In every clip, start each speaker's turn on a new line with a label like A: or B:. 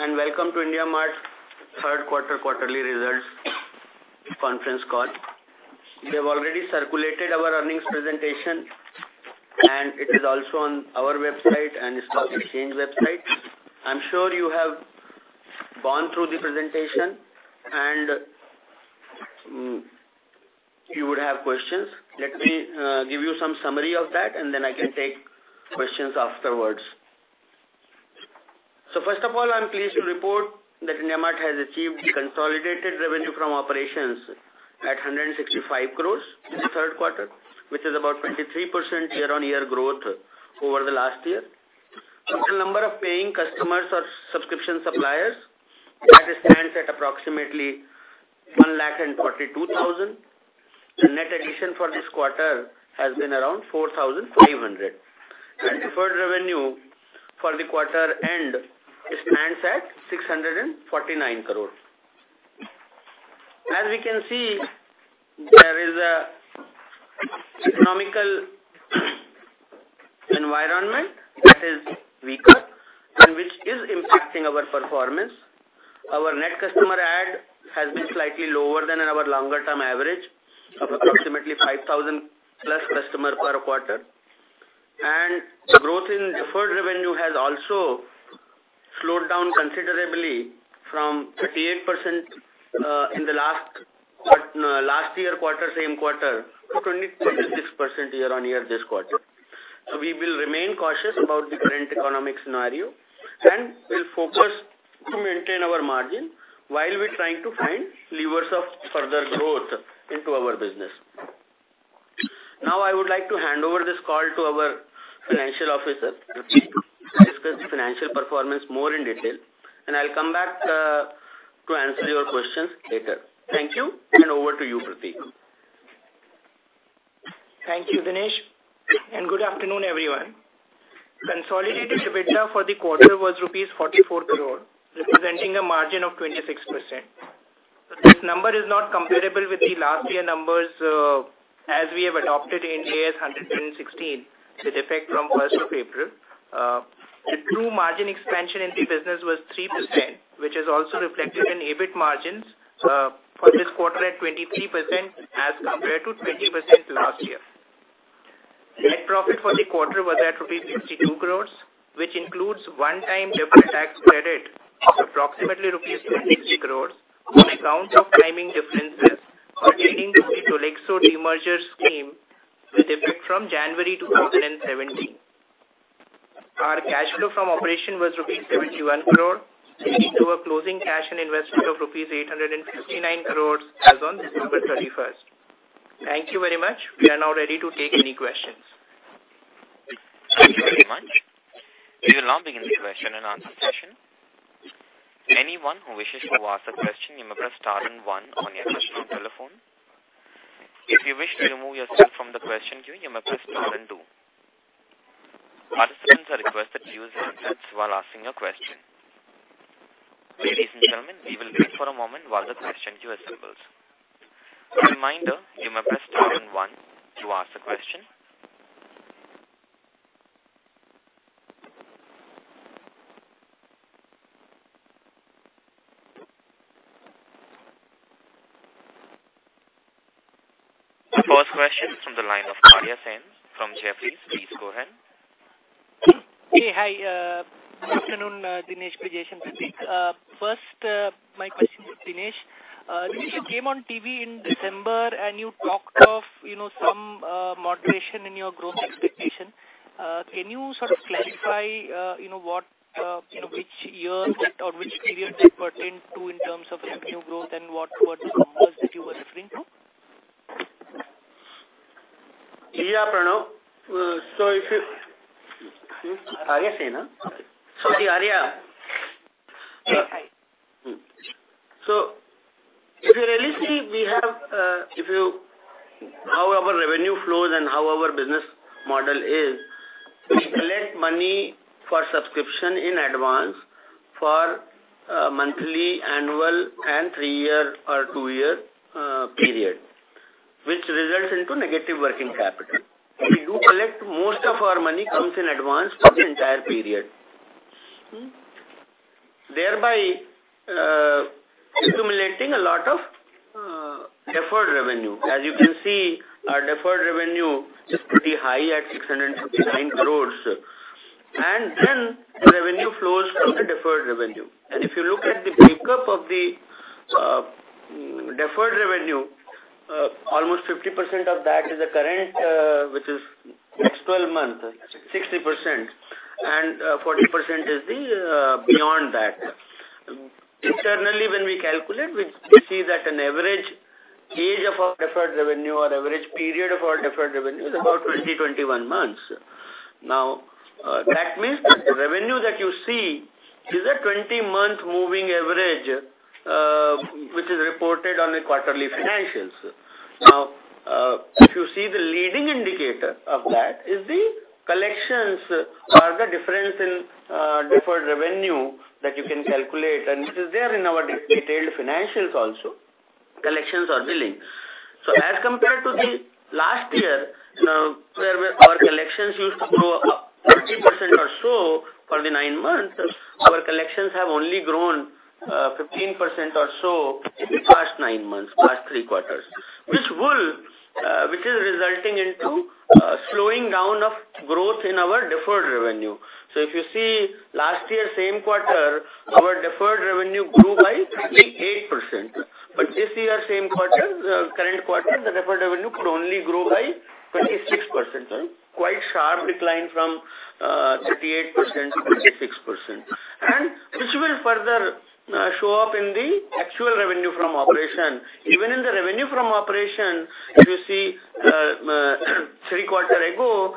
A: Welcome to IndiaMART third quarter quarterly results conference call. We have already circulated our earnings presentation, and it is also on our website and stock exchange website. I'm sure you have gone through the presentation, and you would have questions. Let me give you some summary of that, and then I can take questions afterwards. First of all, I'm pleased to report that IndiaMART has achieved consolidated revenue from operations at 165 crore in the third quarter, which is about 23% year-over-year growth over the last year. Total number of paying customers or subscription suppliers stands at approximately 142,000. The net addition for this quarter has been around 4,500. Deferred revenue for the quarter end stands at 649 crore. As we can see, there is an economic environment that is weaker and which is impacting our performance. Our net customer add has been slightly lower than our longer-term average of approximately 5,000+ customer per quarter. The growth in deferred revenue has also slowed down considerably from 38% in the last year quarter, same quarter, to 26% year-on-year this quarter. We will remain cautious about the current economic scenario, and we'll focus to maintain our margin while we're trying to find levers of further growth into our business. I would like to hand over this call to our Financial Officer to discuss the financial performance more in detail, and I'll come back to answer your questions later. Thank you, and over to you, Prateek.
B: Thank you, Dinesh, and good afternoon, everyone. Consolidated EBITDA for the quarter was INR 44 crore, representing a margin of 26%. This number is not comparable with the last year numbers, as we have adopted Ind AS 116 with effect from April 1st. The true margin expansion in the business was 3%, which is also reflected in EBIT margins for this quarter at 23% as compared to 20% last year. Net profit for the quarter was at rupees 52 crore, which includes one-time deferred tax credit of approximately rupees 50 crore on account of timing differences pertaining to the Tolexo demerger scheme with effect from January 2017. Our cash flow from operation was rupees 71 crore, leading to a closing cash and investment of rupees 859 crore as on December 31st. Thank you very much. We are now ready to take any questions.
C: Thank you very much. We will now begin the question and answer session. Anyone who wishes to ask a question, you may press star and one on your touchtone telephone. If you wish to remove yourself from the question queue, you may press star and two. Participants are requested to use headsets while asking a question. Ladies and gentlemen, we will wait for a moment while the question queue assembles. A reminder, you may press star and one to ask a question. The first question is from the line of Arya Sen from Jefferies. Please go ahead.
D: Okay. Hi. Good afternoon, Dinesh, Prateek. First, my question to Dinesh. Dinesh, you came on TV in December, and you talked of some moderation in your growth expectation. Can you sort of clarify which year or which period that pertained to in terms of revenue growth and what were the numbers that you were referring to?
A: Yeah, Pranav.
C: Arya Sen?
A: Sorry, Arya.
D: Hi.
A: If you really see how our revenue flows and how our business model is, we collect money for subscription in advance for monthly, annual, and three-year or two-year period, which results into negative working capital. We do collect most of our money comes in advance for the entire period. Thereby, accumulating a lot of deferred revenue. As you can see, our deferred revenue is pretty high at 649 crores. Then the revenue flows from the deferred revenue. If you look at the breakup of the deferred revenue, almost 50% of that is the current, which is next 12 months, 60%, and 40% is beyond that. Internally, when we calculate, we see that an average age of our deferred revenue or average period of our deferred revenue is about 20, 21 months. That means that the revenue that you see is a 20-month moving average, which is reported on the quarterly financials. If you see the leading indicator of that is the collections or the difference in deferred revenue that you can calculate, and it is there in our detailed financials also. Collections are billing. As compared to the last year, where our collections used to grow 30% or so for the nine months, our collections have only grown 15% or so in the last nine months, last three quarters. Which is resulting into a slowing down of growth in our deferred revenue. If you see last year, same quarter, our deferred revenue grew by 38%. This year, same quarter, current quarter, the deferred revenue could only grow by 26%. Quite sharp decline from 38%-26%. Which will further show up in the actual revenue from operation. Even in the revenue from operation, if you see three quarter ago,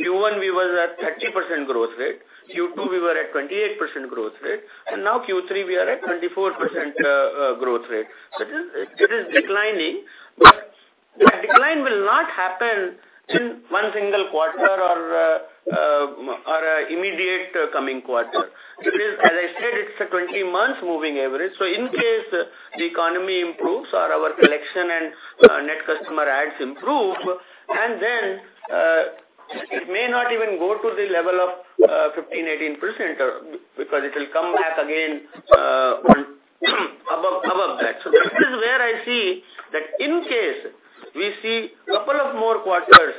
A: Q1 we were at 30% growth rate, Q2 we were at 28% growth rate, now Q3 we are at 24% growth rate. It is declining, but that decline will not happen in one single quarter or immediate coming quarter. As I said, it's a 20 months moving average. In case the economy improves or our collection and net customer adds improve, then it may not even go to the level of 15%-18% because it will come back again above that. That is where I see that in case we see couple of more quarters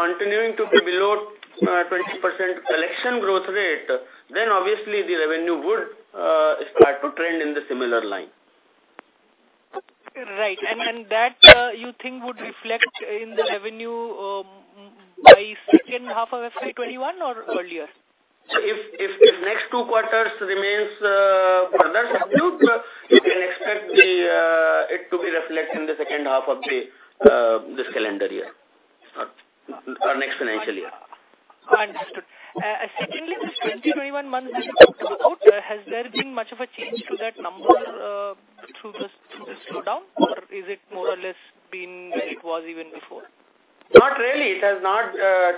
A: continuing to be below 20% collection growth rate, obviously the revenue would start to trend in the similar line.
D: Right. That you think would reflect in the revenue by second half of FY 2021 or earlier?
A: If next two quarters remains further subdued, you can expect it to be reflect in the second half of this calendar year or next financial year.
D: Understood. This 20, 21 months that you talked about, has there been much of a change to that number through the slowdown or is it more or less been where it was even before?
A: Not really. It has not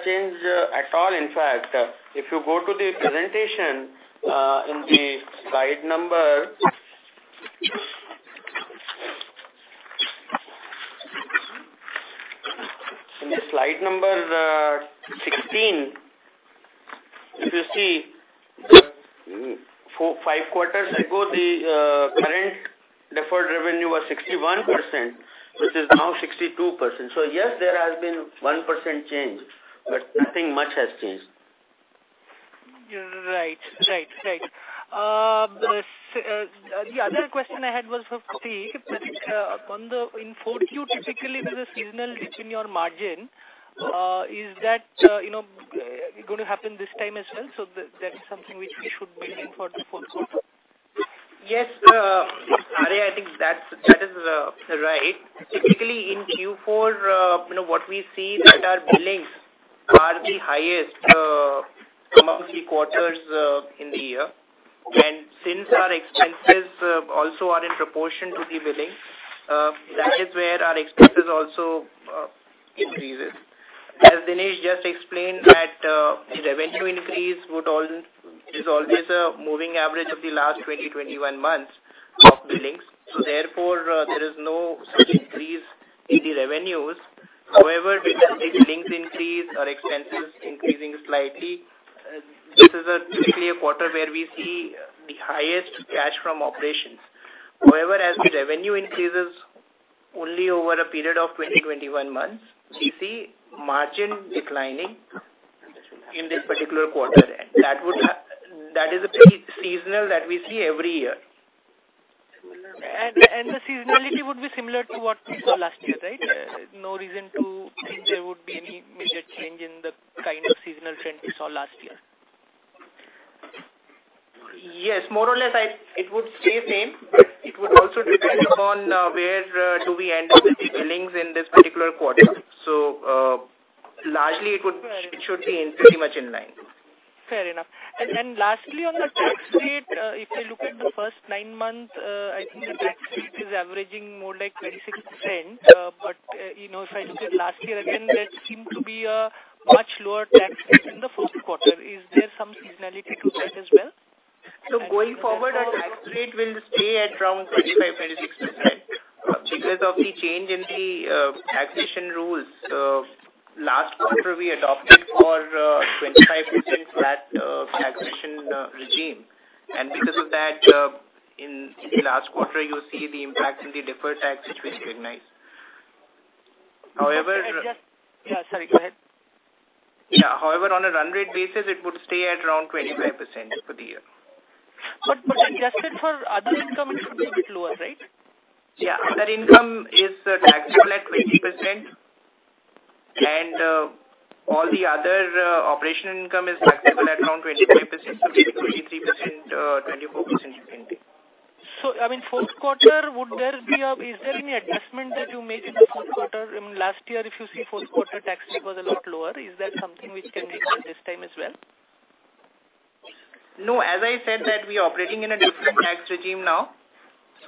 A: changed at all. In fact, if you go to the presentation in the slide number 16, if you see five quarters ago, the current deferred revenue was 61%, which is now 62%. Yes, there has been 1% change, but nothing much has changed.
D: Right. The other question I had was for Prateek. In 4Q, typically there's a seasonal dip in your margin. Is that going to happen this time as well? That is something which we should be looking for the fourth quarter.
B: Yes, Arya, I think that is right. Typically in Q4, what we see that our billings are the highest amongst the quarters in the year. Since our expenses also are in proportion to the billing, that is where our expenses also increases. As Dinesh just explained that the revenue increase is always a moving average of the last 20, 21 months of billings, therefore there is no such increase in the revenues. However, because the billings increase or expenses increasing slightly, this is typically a quarter where we see the highest cash from operations. However, as the revenue increases only over a period of 20, 21 months, we see margin declining in this particular quarter. That is seasonal that we see every year.
D: The seasonality would be similar to what we saw last year, right? No reason to think there would be any major change in the kind of seasonal trend we saw last year.
B: Yes, more or less it would stay same. It would also depend upon where do we end up with the billings in this particular quarter. Largely it should be pretty much in line.
D: Fair enough. Lastly, on the tax rate, if I look at the first nine month, I think the tax rate is averaging more like 26%. If I look at last year again, there seemed to be a much lower tax rate in the fourth quarter. Is there some seasonality to that as well?
B: Going forward, our tax rate will stay at around 25%, 26% because of the change in the taxation rules. Last quarter we adopted for 25% flat taxation regime. Because of that, in the last quarter you see the impact in the deferred tax which we recognize.
D: Sorry, go ahead.
B: Yeah. However, on a run rate basis, it would stay at around 25% for the year.
D: Adjusted for other income it should be a bit lower, right?
B: Yeah. Other income is taxable at 20% and all the other operational income is taxable at around 25% to 23%, 24% you can take.
D: Fourth quarter, is there any adjustment that you made in the fourth quarter? Last year if you see fourth quarter tax rate was a lot lower. Is that something which can be expected this time as well?
B: As I said that we are operating in a different tax regime now,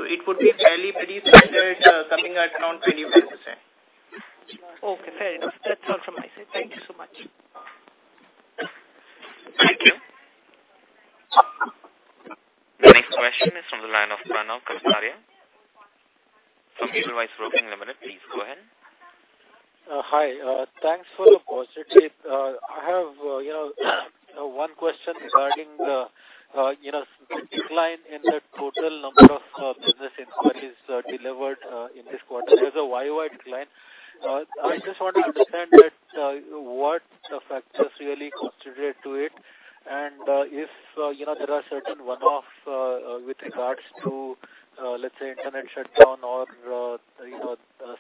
B: it would be fairly pretty standard coming at around 25%.
D: Okay, fair enough. That's all from my side. Thank you so much.
C: Question is from the line of Pranav Kataria from Edelweiss Broking Limited. Please go ahead.
E: Hi. Thanks for the positive. I have one question regarding the decline in the total number of business inquiries delivered in this quarter. There's a YY decline. I just want to understand what factors really contribute to it, and if there are certain one-offs with regards to, let's say, internet shutdown or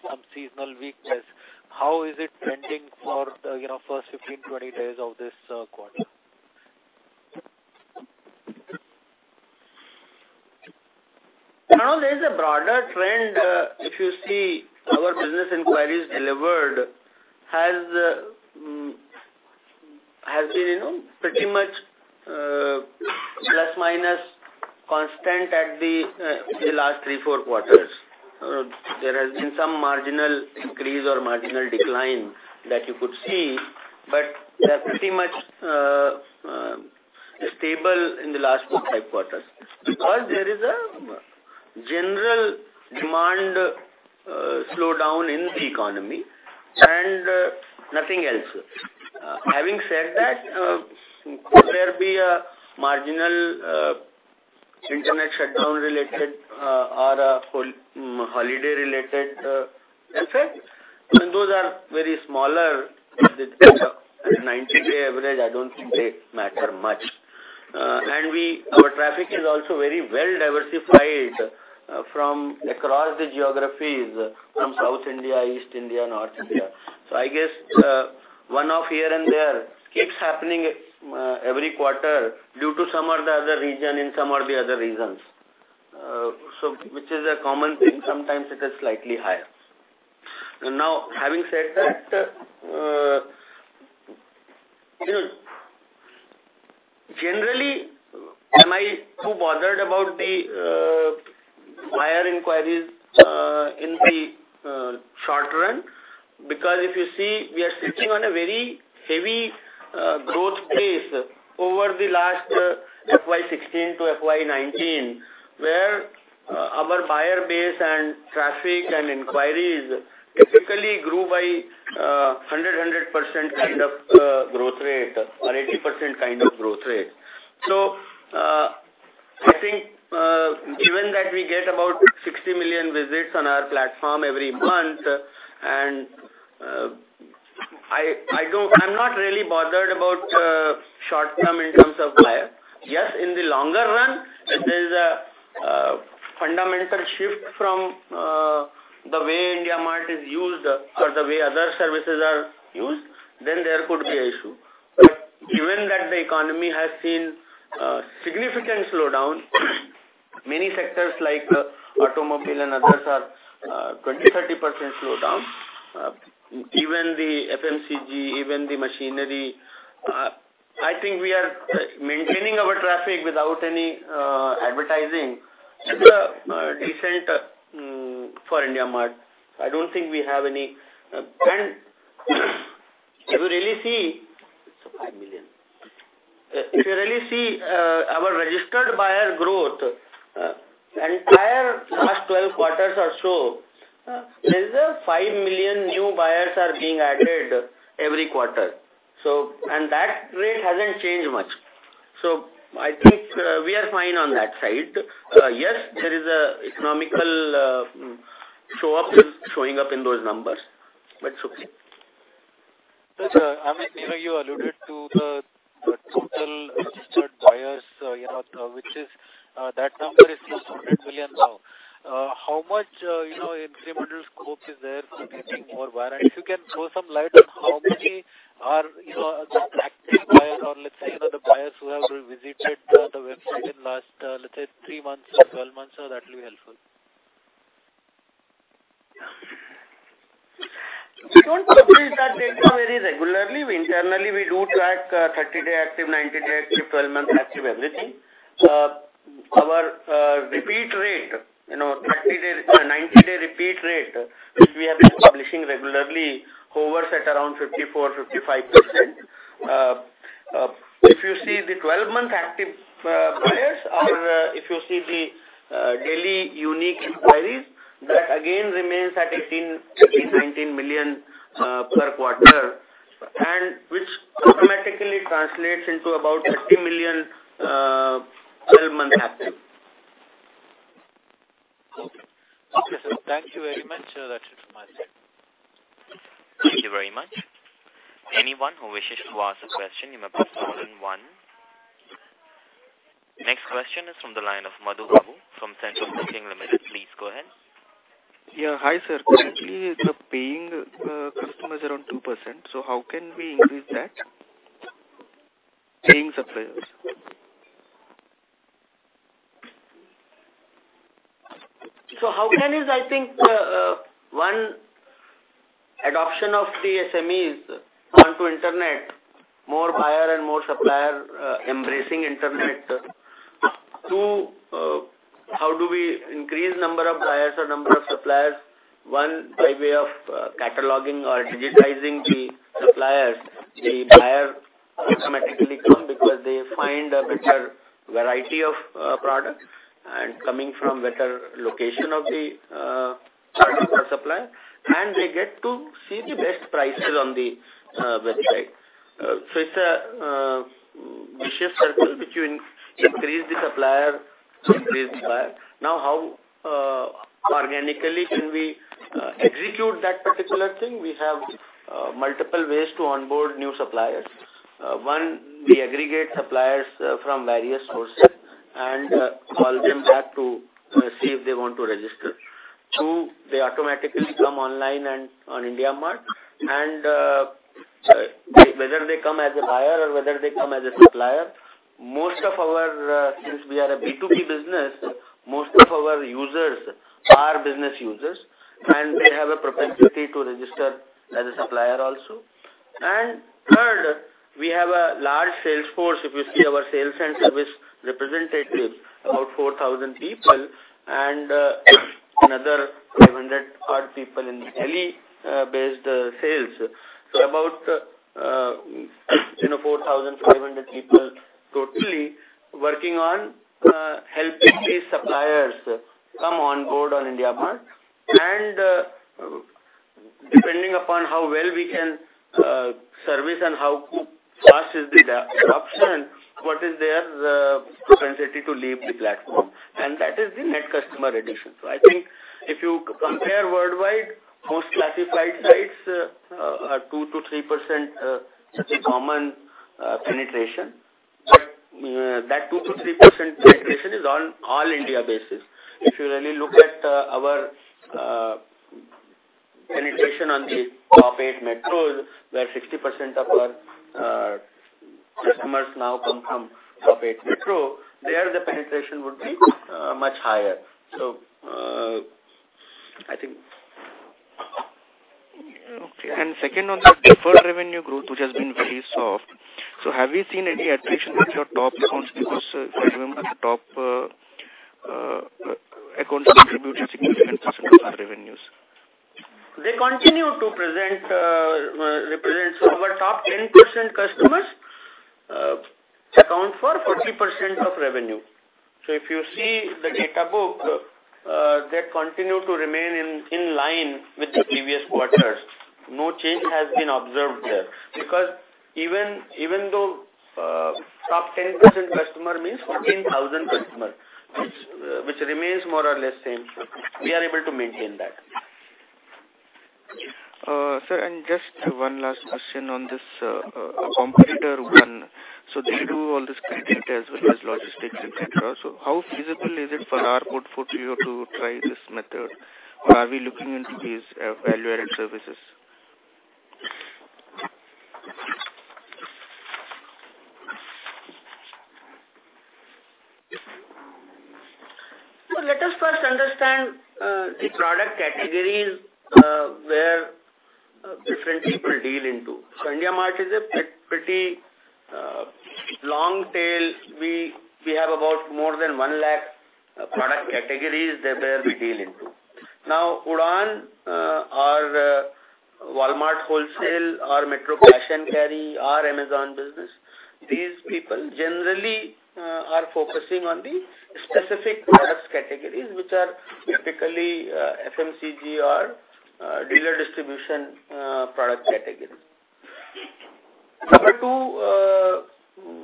E: some seasonal weakness. How is it trending for the first 15, 20 days of this quarter?
A: Pranav, there is a broader trend. If you see our business inquiries delivered has been pretty much plus minus constant at the last three, four quarters. There has been some marginal increase or marginal decline that you could see, but they are pretty much stable in the last four, five quarters because there is a general demand slowdown in the economy and nothing else. Having said that, could there be a marginal internet shutdown related or a holiday related effect? Even those are very smaller. With the 90-day average, I don't think they matter much. Our traffic is also very well diversified from across the geographies from South India, East India, North India. I guess one-off here and there keeps happening every quarter due to some or the other reason in some or the other regions, which is a common thing. Sometimes it is slightly higher. Having said that, generally, am I too bothered about the buyer inquiries in the short run? If you see, we are sitting on a very heavy growth pace over the last FY 2016 to FY 2019, where our buyer base and traffic and inquiries typically grew by 100% kind of growth rate or 80% kind of growth rate. I think given that we get about 60 million visits on our platform every month, I'm not really bothered about short-term in terms of buyer. Yes, in the longer run, if there is a fundamental shift from the way IndiaMART is used or the way other services are used, then there could be a issue. Given that the economy has seen a significant slowdown, many sectors like automobile and others are 20%, 30% slowdown. Even the FMCG, even the machinery, I think we are maintaining our traffic without any advertising. It is decent for IndiaMART. If you really see our registered buyer growth, the entire last 12 quarters or so, there is a 5 million new buyers are being added every quarter. That rate hasn't changed much. I think we are fine on that side. Yes, there is an economic showing up in those numbers, but it's okay.
E: Sir, you alluded to the total registered buyers, that number is close to 100 million now. How much incremental scope is there for getting more buyer? If you can throw some light on how many are the active buyers or let's say, the buyers who have visited the website in last, let's say, three months or 12 months, that will be helpful.
A: We don't publish that data very regularly. Internally, we do track 30-day active, 90-day active, 12-month active, everything. Our 90-day repeat rate, which we have been publishing regularly, hovers at around 54%, 55%. If you see the 12-month active buyers or if you see the daily unique inquiries, that again remains at 18 million, 19 million per quarter and which automatically translates into about 50 million 12-month active.
E: Okay. Thank you very much, sir. That's it from my side.
C: Thank you very much. Anyone who wishes to ask a question, you may press star then one. Next question is from the line of Madhu Babu from Centrum Broking Limited. Please go ahead.
F: Yeah. Hi, sir. Currently, the paying customers are around 2%. How can we increase that? Paying suppliers.
A: How can is, I think, one, adoption of the SMEs onto internet, more buyer and more supplier embracing internet. Two, how do we increase number of buyers or number of suppliers? one, by way of cataloging or digitizing the suppliers. The buyer will automatically come because they find a better variety of products and coming from better location of the product or supplier, and they get to see the best prices on the website. It's a vicious circle between increase the supplier, increase the buyer. How organically can we execute that particular thing? We have multiple ways to onboard new suppliers. One, we aggregate suppliers from various sources and call them back to see if they want to register. Two, they automatically come online and on IndiaMART. Whether they come as a buyer or whether they come as a supplier, since we are a B2B business, most of our users are business users, and they have a propensity to register as a supplier also. Third, we have a large sales force. If you see our sales and service representatives, about 4,000 people and another 500 odd people in Delhi-based sales. About 4,500 people totally working on helping these suppliers come on board on IndiaMART. Depending upon how well we can service and how fast is the adoption, what is their propensity to leave the platform. That is the net customer addition. I think if you compare worldwide, most classified sites are 2%-3% is a common penetration. That 2%-3% penetration is on all India basis. If you really look at our penetration on the top 8 m, where 60% of our customers now come from top 8 m, there the penetration would be much higher.
F: Second on the deferred revenue growth, which has been very soft. Have you seen any attrition with your top accounts? If I remember, the top accounts contributed significant portion of our revenues.
A: They continue to represent. Our top 10% customers account for 40% of revenue. If you see the data book, they continue to remain in line with the previous quarters. No change has been observed there. Even though top 10% customer means 14,000 customers, which remains more or less same. We are able to maintain that.
F: Sir, just one last question on this competitor one. They do all this credit as well as logistics, et cetera. How feasible is it for our portfolio to try this method? Are we looking into these value-added services?
A: Let us first understand the product categories where different people deal into. IndiaMART is a pretty long tail. We have about more than 1 lakh product categories there where we deal into. Now, Udaan or Walmart Wholesale or Metro Cash & Carry or Amazon Business, these people generally are focusing on the specific product categories, which are typically FMCG or dealer distribution product categories. Number two,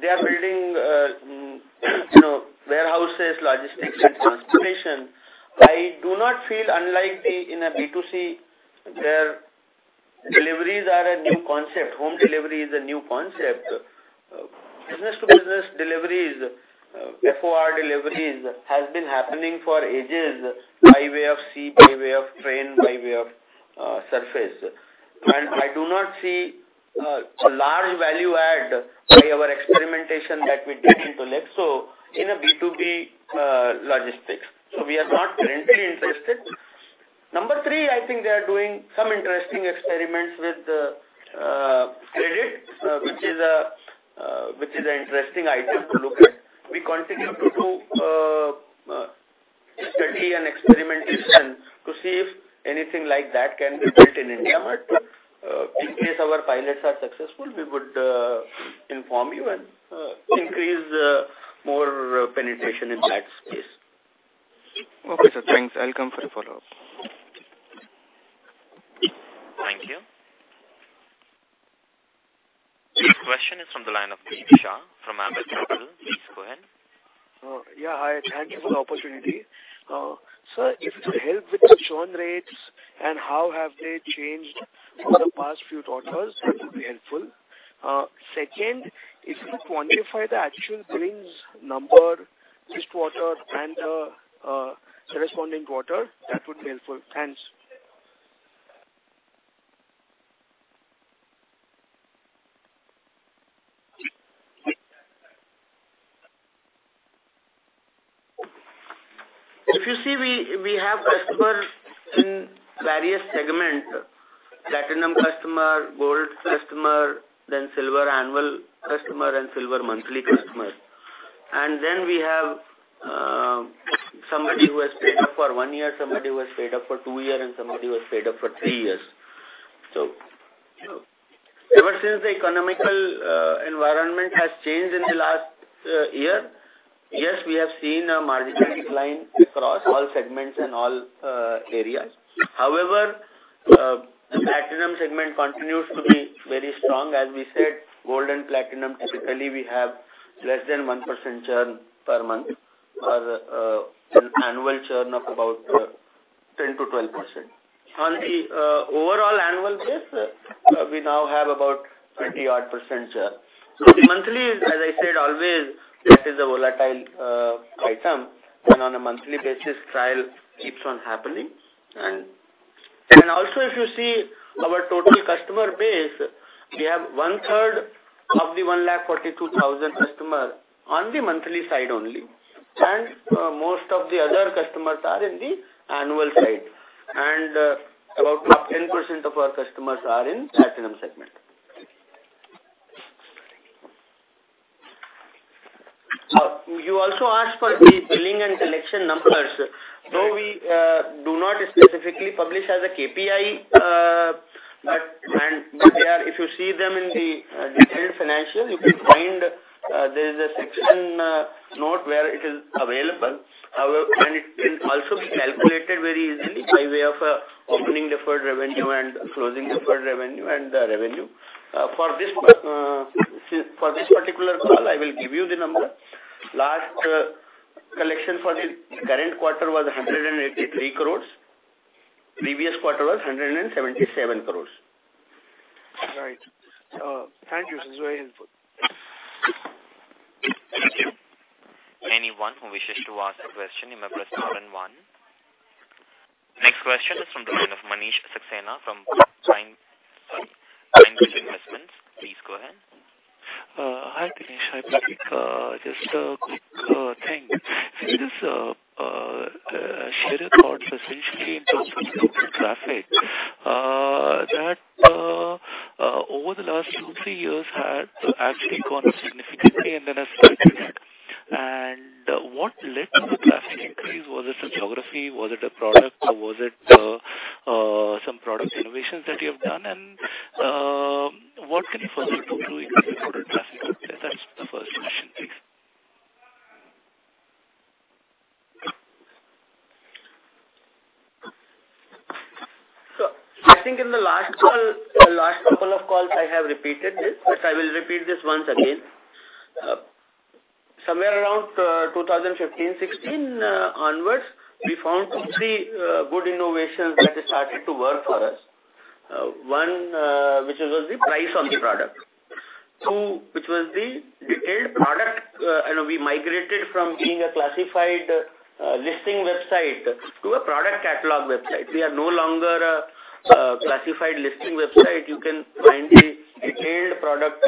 A: they are building warehouses, logistics and transportation. I do not feel unlike in a B2C, where deliveries are a new concept, home delivery is a new concept. Business-to-business deliveries, FOR deliveries has been happening for ages, by way of sea, by way of train, by way of surface. I do not see a large value add by our experimentation that we did into Tolexo in a B2B logistics. We are not currently interested. Number three, I think they are doing some interesting experiments with credit, which is an interesting item to look at. We continue to do study and experimentation to see if anything like that can be built in IndiaMART. In case our pilots are successful, we would inform you and increase more penetration in that space.
F: Okay, sir. Thanks. I'll come for a follow-up.
C: Thank you. The question is from the line of Deep Shah from Ambit Capital. Please go ahead.
G: Yeah. Hi, thank you for the opportunity. Sir, if you could help with the churn rates and how have they changed over the past few quarters, that would be helpful. Second, if you could quantify the actual billings number this quarter and the corresponding quarter, that would be helpful. Thanks.
A: If you see, we have customers in various segments: platinum customer, gold customer, silver annual customer, silver monthly customer. We have somebody who has paid up for one year, somebody who has paid up for two years, somebody who has paid up for three years. Ever since the economic environment has changed in the last year, yes, we have seen a marginal decline across all segments and all areas. However, the platinum segment continues to be very strong. As we said, gold and platinum, typically, we have less than 1% churn per month, or an annual churn of about 10%-12%. On the overall annual basis, we now have about 20% odd churn. Monthly, as I said, always that is a volatile item, on a monthly basis, trial keeps on happening. Also, if you see our total customer base, we have 1/3 of the 142,000 customers on the monthly side only, and most of the other customers are in the annual side. About 10% of our customers are in platinum segment. You also asked for the billing and collection numbers. Though we do not specifically publish as a KPI, but if you see them in the detailed financials, you can find there is a section note where it is available. It can also be calculated very easily by way of opening deferred revenue and closing deferred revenue and the revenue. For this particular call, I will give you the number. Last collection for the current quarter was 183 crore. Previous quarter was 177 crore.
G: Right. Thank you. This is very helpful.
A: Thank you.
C: Anyone who wishes to ask a question, you may press star and one. Next question is from the line of Manish Saxena from PineBridge Investments. Please go ahead.
H: Hi, Dinesh. Hi, Prateek. Just a quick thing. Share a thought essentially in terms of traffic, that over the last two, three years had actually gone up significantly and then has flattened. What led to the traffic increase? Was it the geography? Was it a product, or was it some product innovations that you have done? What can you foresee to improve the product traffic? That's the first question. Thanks.
A: I think in the last couple of calls I have repeated this, but I will repeat this once again. Somewhere around 2015, 2016 onwards, we found three good innovations that started to work for us. One, which was the price of the product. Two, which was the detailed product. We migrated from being a classified listings website to a product catalog website. We are no longer a classified listings website. You can find the detailed product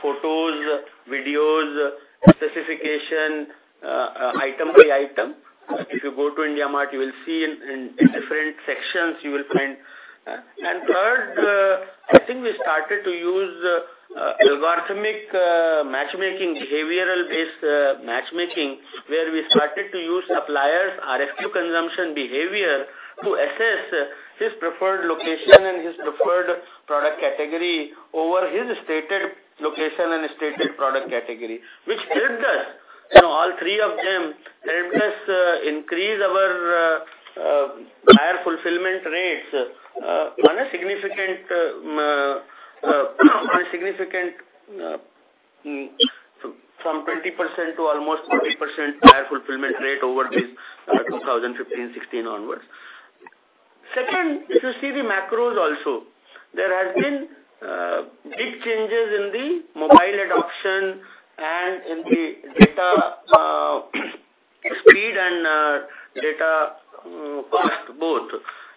A: photos, videos, specification, item by item. If you go to IndiaMART, you will see in different sections you will find. Third, I think we started to use algorithmic matchmaking, behavioral-based matchmaking, where we started to use suppliers' RFQ consumption behavior to assess his preferred location and his preferred product category over his stated location and stated product category, which helped us. All three of them helped us increase our buyer fulfillment rates by a significant, from 20% to almost 40% buyer fulfillment rate over this 2015, 2016 onwards. Second, if you see the macros also, there has been big changes in the mobile adoption and in the data speed and data cost, both.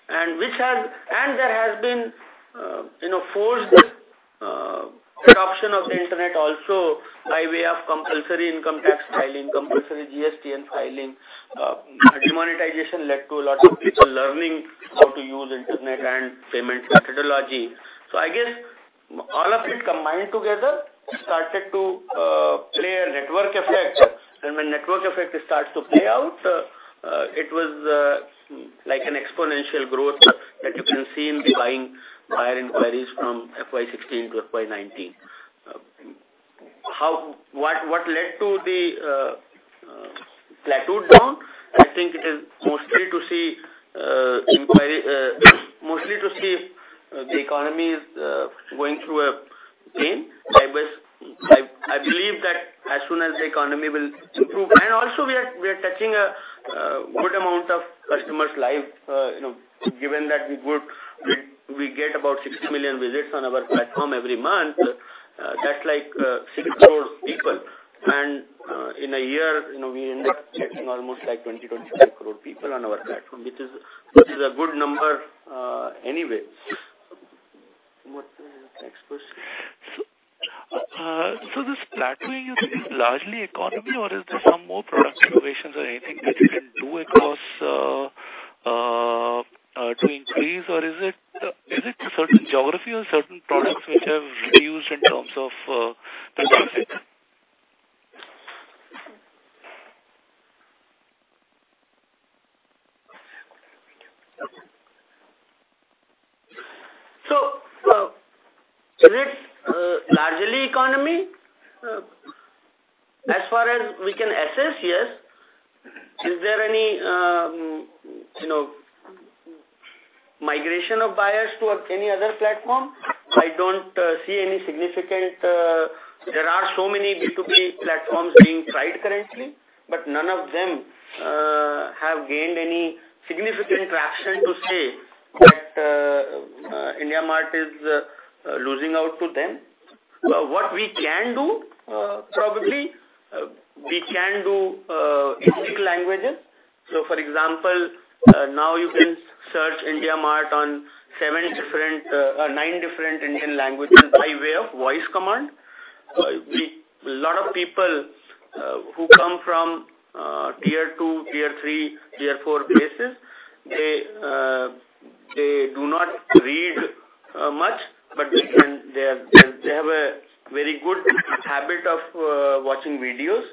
A: There has been forced adoption of the internet also by way of compulsory income tax filing, compulsory GSTN filing. Demonetization led to a lot of people learning how to use internet and payment methodology. I guess all of it combined together started to play a network effect. When network effect starts to play out, it was like an exponential growth that you can see in the buying buyer inquiries from FY 2016 to FY 2019. What led to the plateau down? I think it is mostly to see the economy is going through a pain. I believe that as soon as the economy will improve. Also we are touching a good amount of customers live. Given that we get about 60 million visits on our platform every month, that's like 6 crore people. In a year, we end up touching almost 20, 25 crore people on our platform, which is a good number anyway. What's the next question?
H: This plateauing is largely economy or is there some more product innovations or anything that you can do across to increase, or is it certain geography or certain products which have reduced in terms of traffic?
A: Is it largely economy? As far as we can assess, yes. Is there any migration of buyers towards any other platform? I don't see any significant. There are so many B2B platforms being tried currently, none of them have gained any significant traction to say that IndiaMART is losing out to them. What we can do probably, we can do Indian languages. For example, now you can search IndiaMART on nine different Indian languages by way of voice command. A lot of people who come from Tier 2, Tier 3, Tier 4 places, they do not read much, they have a very good habit of watching videos.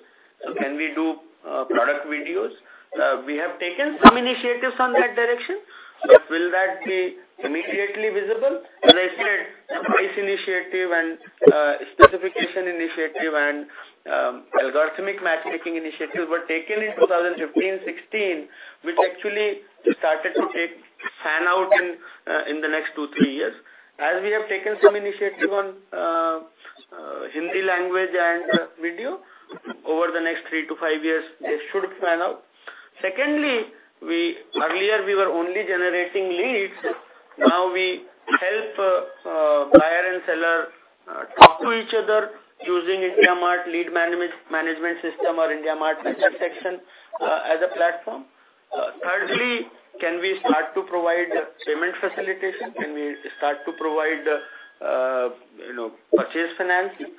A: Can we do product videos? We have taken some initiatives on that direction, will that be immediately visible? As I said, price initiative and specification initiative and algorithmic matchmaking initiatives were taken in 2015, 2016, which actually started to fan out in the next two, three years. As we have taken some initiative on Hindi language and video, over the next three to five years, they should fan out. Secondly, earlier we were only generating leads. Now we help buyer and seller talk to each other using IndiaMART Lead Manager or IndiaMART InterMESH as a platform. Thirdly, can we start to provide payment facilitation? Can we start to provide purchase financing?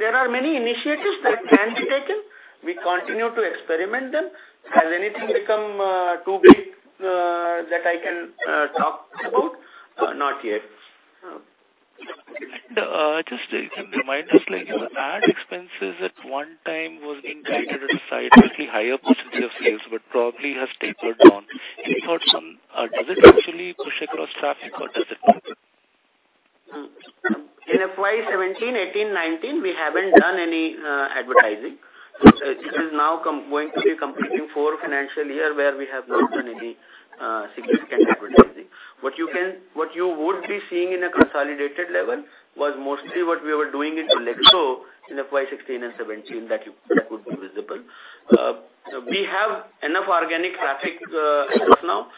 A: There are many initiatives that can be taken. We continue to experiment them. Has anything become too big that I can talk about? Not yet.
H: Just you can remind us, like ad expenses at one time was being guided at a slightly higher percentage of sales, but probably has tapered down. Any thoughts on, does it actually push across traffic or does it not?
A: In FY 2017, FY 2018, FY 2019, we haven't done any advertising. This is now going to be completing four financial year where we have not done any significant advertising. What you would be seeing in a consolidated level was mostly what we were doing in fiscal in FY 2016 and FY 2017, that would be visible. We have enough organic traffic as of now.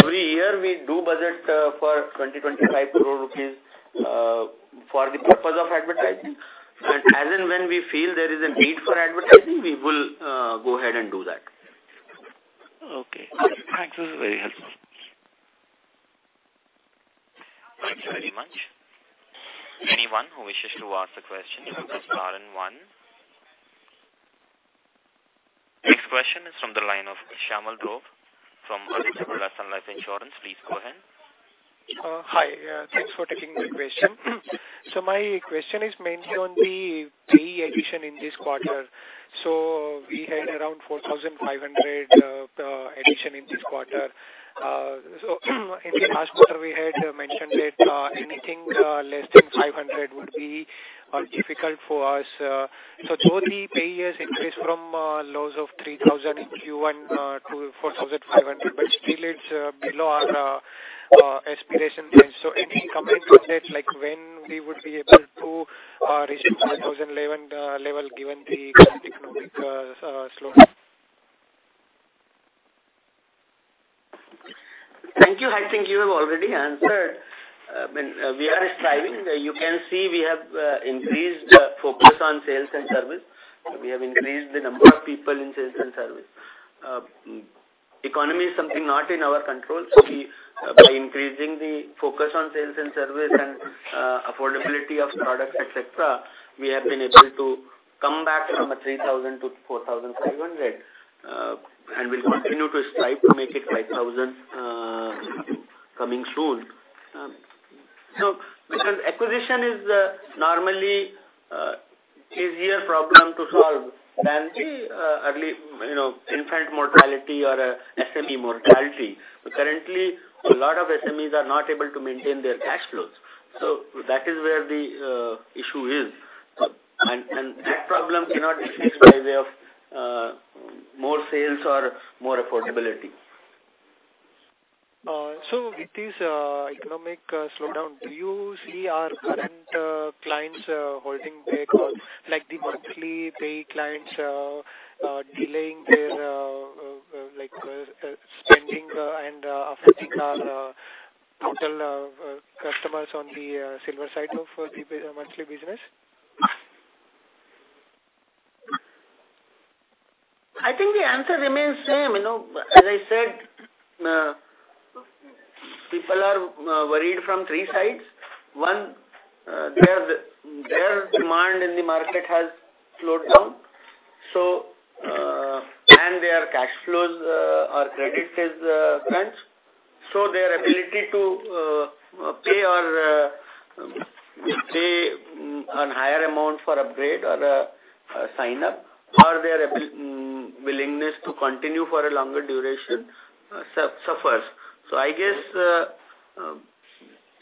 A: Every year we do budget for 20 crore-25 crore rupees, for the purpose of advertising. As and when we feel there is a need for advertising, we will go ahead and do that.
H: Okay. Thanks. This is very helpful.
C: Thank you very much. Anyone who wishes to ask a question, you can press star and one. Next question is from the line of Shyamal Dhruve from Edelweiss Life Insurance. Please go ahead.
I: Hi. Thanks for taking my question. My question is mainly on the pay addition in this quarter. We had around 4,500 addition in this quarter. In the last quarter, we had mentioned that anything less than 500 would be difficult for us. Though the pay has increased from lows of 3,000 in Q1 to 4,500, but still it's below our aspiration range. Any comments on that, like when we would be able to reach the 2011 level given the current economic slow?
A: Thank you. I think you have already answered. We are striving. You can see we have increased focus on sales and service. We have increased the number of people in sales and service. Economy is something not in our control. By increasing the focus on sales and service and affordability of products, et cetera, we have been able to come back from a 3,000 to 4,500. We'll continue to strive to make it 5,000 coming soon. Because acquisition is normally easier problem to solve than the early infant mortality or SME mortality. Currently, a lot of SMEs are not able to maintain their cash flows. That is where the issue is. That problem cannot be fixed by way of more sales or more affordability.
I: With this economic slowdown, do you see our current clients holding back on, like the monthly pay clients delaying their spending and affecting our total customers on the silver side of the monthly business?
A: I think the answer remains same. As I said, people are worried from three sides. One, their demand in the market has slowed down. Their cash flows or credit is crunched, so their ability to pay on higher amount for upgrade or sign up, or their willingness to continue for a longer duration suffers. I guess,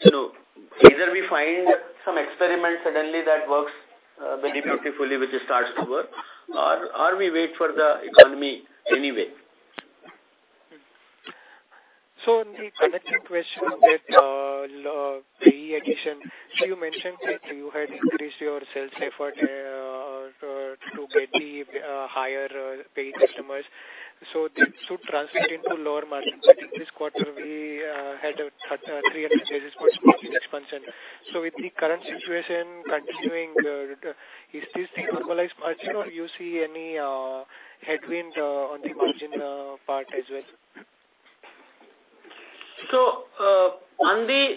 A: either we find some experiment suddenly that works very beautifully, which starts to work or we wait for the economy anyway.
I: On the connecting question with pay addition, you mentioned that you had increased your sales effort to get the higher paying customers. This should translate into lower margin. In this quarter, we had a 300 basis point margin expansion. With the current situation continuing, is this the normalized margin, or you see any headwinds on the margin part as well?
A: On the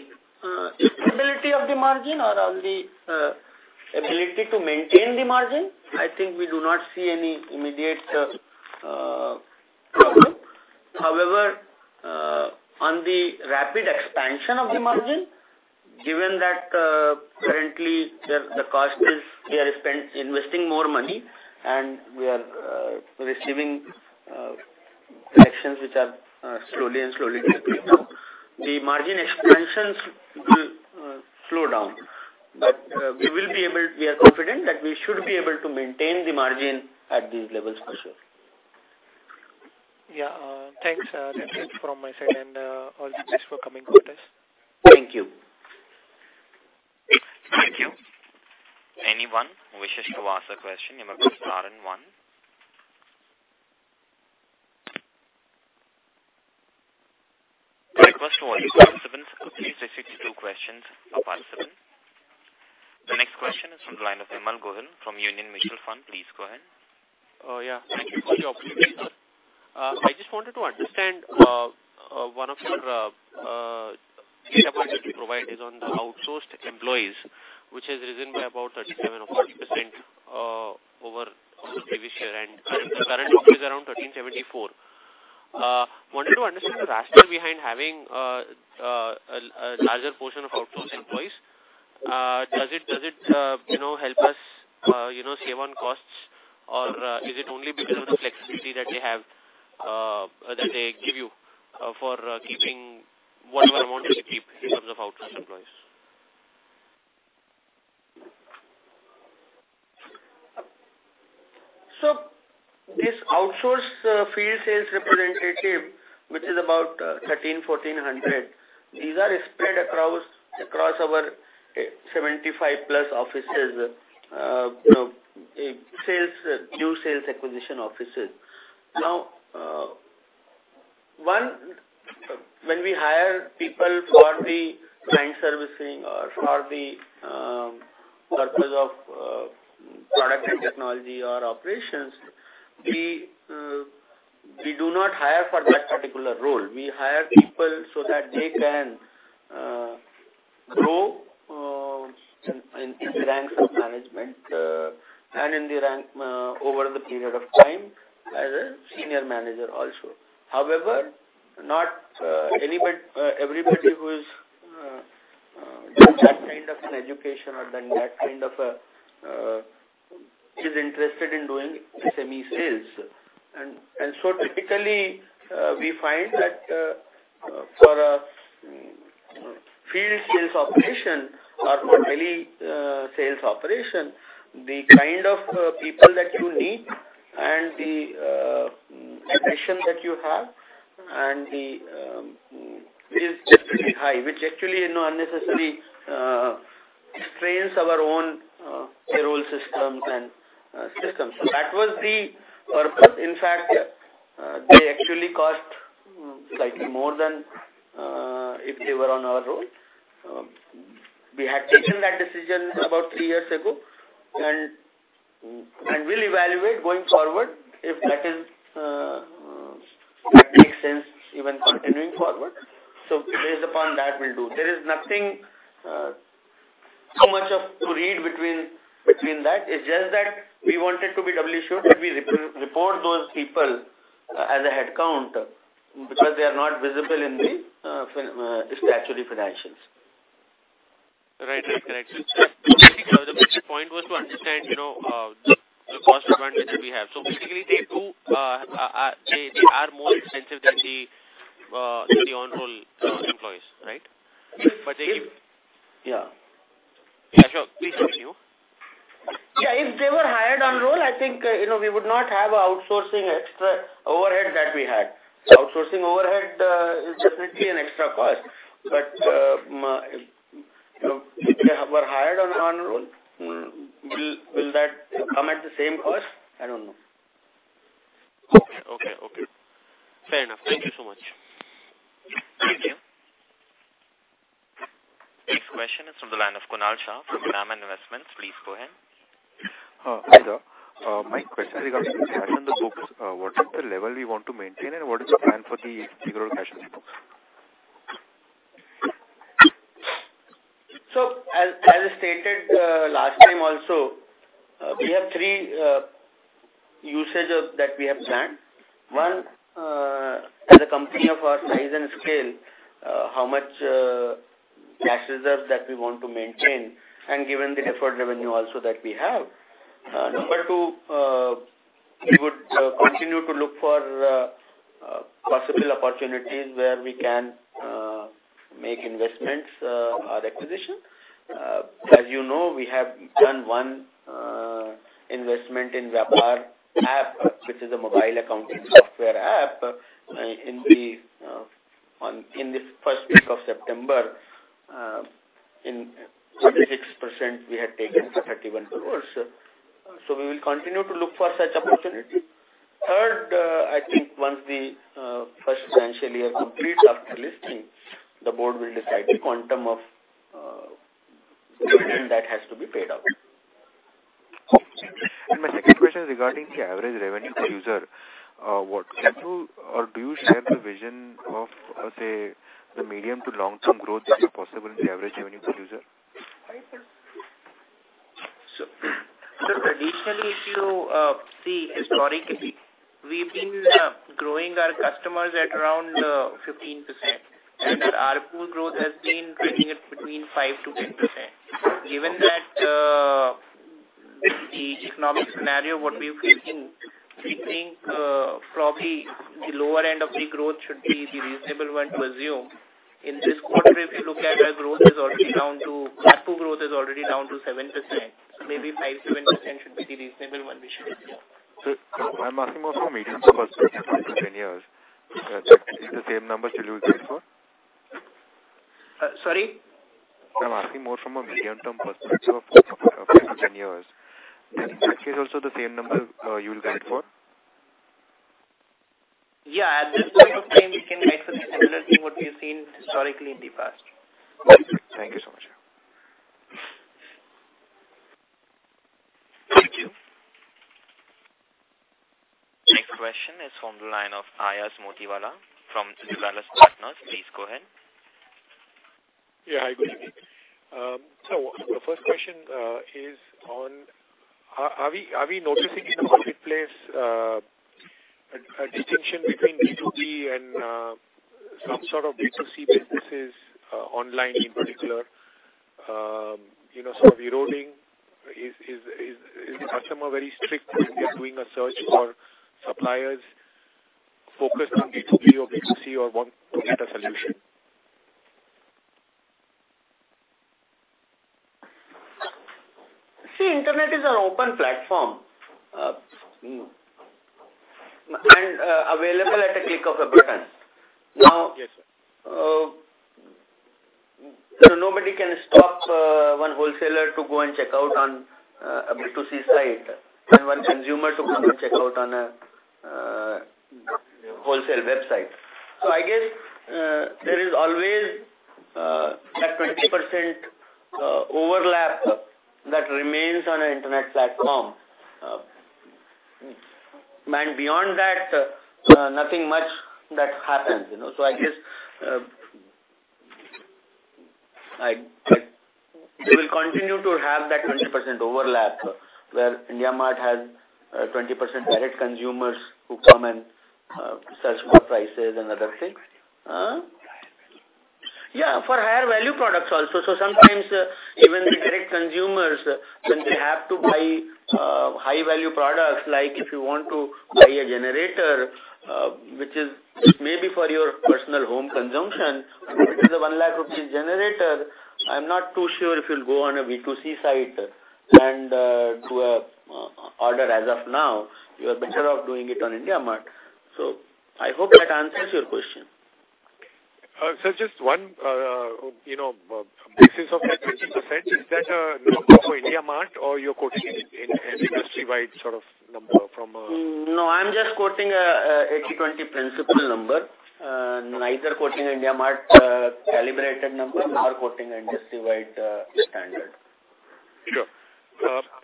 A: stability of the margin or on the ability to maintain the margin, I think we do not see any immediate problem. However, on the rapid expansion of the margin, given that currently the cost is we are investing more money and we are receiving collections which are slowly creeping up. The margin expansions will slow down. We are confident that we should be able to maintain the margin at these levels for sure.
I: Yeah. Thanks. That's it from my side and all the best for coming quarters.
A: Thank you.
C: Thank you. Anyone wishes to ask a question? You may press star and one. Request for participants to please restrict to two questions per participant. The next question is from the line of Hemal Goel from Union Mutual Fund. Please go ahead.
J: Yeah. Thank you for the opportunity, sir. I just wanted to understand one of your data point that you provide is on the outsourced employees, which has risen by about 37% or 38% over the previous year, and the current number is around 1,374. I wanted to understand the rationale behind having a larger portion of outsourced employees. Does it help us save on costs? Is it only because of the flexibility that they give you for keeping whatever amount you want to keep in terms of outsourced employees?
A: This outsourced field sales representative, which is about 1,300, 1,400, these are spread across our 75+ offices. New sales acquisition offices. When we hire people for the client servicing or for the purpose of product and technology or operations, we do not hire for that particular role. We hire people so that they can grow in ranks of management and over the period of time as a senior manager also. However, not everybody who is doing that kind of an education or done that is interested in doing SME sales. Typically, we find that for a field sales operation or for any sales operation, the kind of people that you need and the attrition that you have and the pay is definitely high, which actually unnecessarily strains our own payroll systems and systems. That was the purpose. In fact, they actually cost slightly more than if they were on our roll. We had taken that decision about three years ago. We'll evaluate going forward if that makes sense even continuing forward. Based upon that, we'll do. There is nothing so much of to read between that. It's just that we wanted to be doubly sure that we report those people as a head count because they are not visible in the statutory financials.
J: Right. The basic point was to understand the cost advantage that we have. Basically, they are more expensive than the on-roll employees, right?
A: Yeah.
J: Yeah, sure. Please continue.
A: Yeah. If they were hired on roll, I think we would not have outsourcing extra overhead that we had. Outsourcing overhead is definitely an extra cost. If they were hired on roll, will that come at the same cost? I don't know.
J: Okay. Fair enough. Thank you so much.
C: The next question is from the of Kunal Shah from Enam Investments, please go ahead.
K: Hi, sir. My question regarding the cash on the books, what is the level we want to maintain, and what is your plan for the overall cash on the books?
A: As stated last time also, we have three usages that we have planned. One, as a company of our size and scale, how much cash reserves that we want to maintain, and given the deferred revenue also that we have. Number two, we would continue to look for possible opportunities where we can make investments or acquisitions. As you know, we have done one investment in the Vyapar app, which is a mobile accounting software app. In the first week of September, 36% we had taken for 31 crore. We will continue to look for such opportunities. Third, I think once the first financial year completes after listing, the board will decide the quantum of dividend that has to be paid out.
K: My second question regarding the average revenue per user. Can you or do you share the vision of, satay, the medium to long-term growth that is possible in the average revenue per user?
B: Traditionally, if you see historically, we've been growing our customers at around 15%, and our ARPU growth has been ranging between 5%-10%. Given the economic scenario what we're facing, we think probably the lower end of the growth should be the reasonable one to assume. In this quarter, if you look at our growth, ARPU growth is already down to 7%. Maybe 5%-10% should be the reasonable one we should assume.
K: Sir, I'm asking more from a medium term perspective, up to 10 years. Is it the same number you will guide for?
A: Sorry.
K: I'm asking more from a medium term perspective of up to 10 years. In that case also the same number you will guide for?
B: Yeah. At this point of time, we can guide for the similar thing what we've seen historically in the past.
K: Thank you so much.
C: Thank you. Next question is from the line of Ayaz Motiwala from Nivalis Partners. Please go ahead.
L: Yeah, hi. The first question is on, are we noticing in the marketplace a distinction between B2B and some sort of B2C businesses online in particular, sort of eroding? Is the customer very strict when they're doing a search for suppliers focused on B2B or B2C or want to get a solution?
A: See, internet is an open platform, and available at a click of a button.
L: Yes, sir.
A: Nobody can stop one wholesaler to go and check out on a B2C site than one consumer to come and check out on a wholesale website. I guess there is always that 20% overlap that remains on an internet platform. Beyond that, nothing much happens. I guess we will continue to have that 20% overlap, where IndiaMART has 20% direct consumers who come and search for prices and other things.
L: For higher value.
A: Yeah. For higher value products also. Sometimes even the direct consumers, when they have to buy high-value products, like if you want to buy a generator, which is maybe for your personal home consumption. If it is a 1 lakh rupees generator, I'm not too sure if you'll go on a B2C site and do an order as of now. You're better off doing it on IndiaMART. I hope that answers your question.
L: Sir, just one basis of that 20%, is that IndiaMART or you're quoting an industry-wide sort of number?
A: No, I am just quoting an 80/20 principle number. Neither quoting IndiaMART calibrated number nor quoting industry-wide standard.
L: Sure.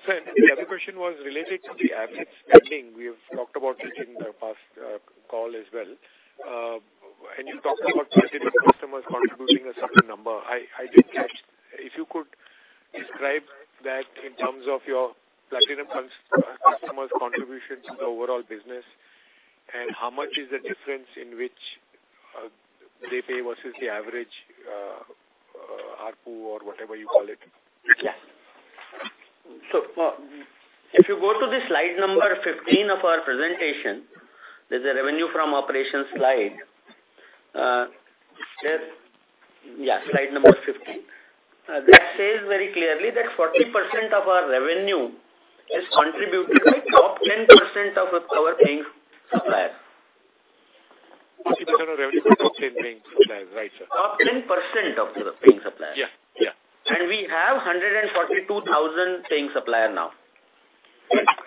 L: Sir, the other question was related to the average spending. We've talked about it in the past call as well. You talked about certain customers contributing a certain number. I didn't catch. If you could describe that in terms of your platinum customers' contribution to the overall business, and how much is the difference in which they pay versus the average ARPU or whatever you call it?
A: Yes. If you go to the slide number 15 of our presentation, there's a revenue from operations slide. Yes, slide number 15. That says very clearly that 40% of our revenue is contributed by top 10% of our paying suppliers.
L: 40% of revenue from top 10 paying suppliers. Right, sir.
A: Top 10% of the paying suppliers.
L: Yeah.
A: We have 142,000 paying suppliers now.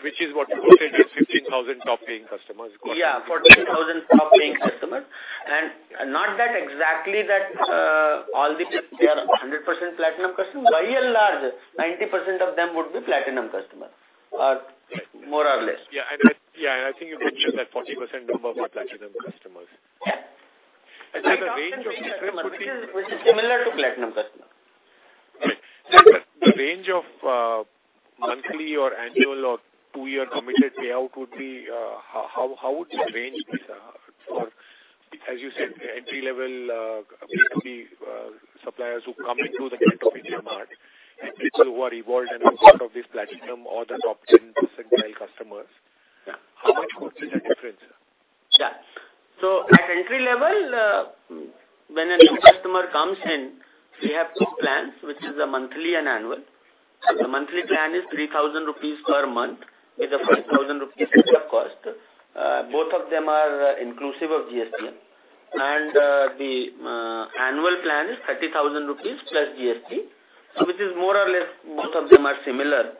L: Which is what you said is 15,000 top paying customers, correct?
A: Yeah, 14,000 top paying customers. Not that exactly that all the people, they are 100% platinum customers. By and large, 90% of them would be platinum customers, more or less.
L: Yeah. I think you could use that 40% number for platinum customers.
A: Yeah.
L: The range of.
A: Which is similar to platinum customer.
L: The range of monthly or annual or two-year committed payout, how would the range be, sir? As you said, entry level would be suppliers who come into the network of IndiaMART, who are evolved and are part of this platinum or the top 10 percentile customers.
A: Yeah.
L: How much would be the difference, sir?
A: At entry level, when a new customer comes in, we have two plans, which is a monthly and annual. The monthly plan is 3,000 rupees per month with a 5,000 rupees setup cost. Both of them are inclusive of GST. The annual plan is 30,000+ rupees GST, which is more or less both of them are similar.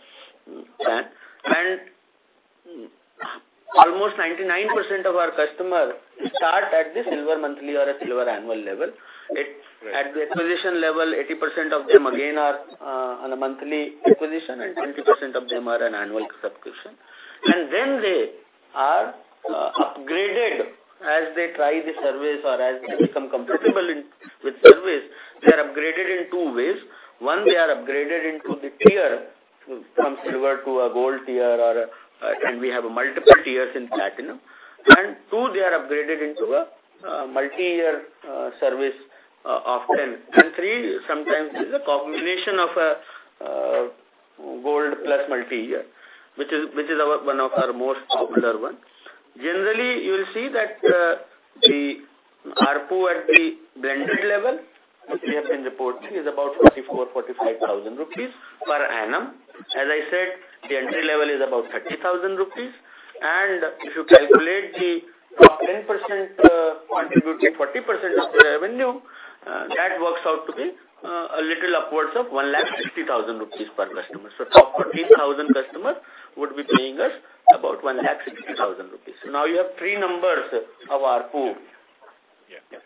A: Almost 99% of our customers start at the silver monthly or a silver annual level.
L: Right.
A: At the acquisition level, 80% of them again are on a monthly acquisition, 20% of them are an annual subscription. Then they are upgraded as they try the service or as they become comfortable with service. They are upgraded in two ways. One, they are upgraded into the tier from silver to a gold tier, and we have multiple tiers in platinum. Two, they are upgraded into a multi-year service often. Three, sometimes is a combination of a gold plus multi-year, which is one of our most popular ones. Generally, you will see that the ARPU at the blended level we have been reporting is about 44,000-45,000 rupees per annum. As I said, the entry level is about 30,000 rupees. If you calculate the top 10% contributing 40% of the revenue, that works out to be a little upwards of 1,60,000 rupees per customer. Top 14,000 customers would be paying us about 1,60,000 rupees. Now you have three numbers of ARPU.
L: Yeah.
A: Yeah.